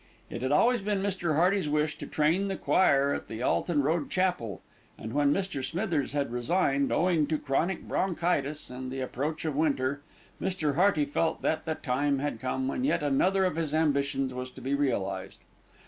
It had always been Mr. Hearty's wish to train the choir at the Alton Road Chapel, and when Mr. Smithers had resigned, owing to chronic bronchitis and the approach of winter, Mr. Hearty felt that the time had come when yet another of his ambitions was to be realised.